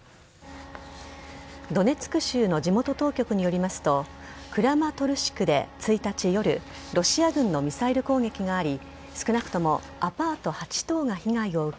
ドネツク州の地元当局によりますとクラマトルシクで１日夜ロシア軍のミサイル攻撃があり少なくともアパート８棟が被害を受け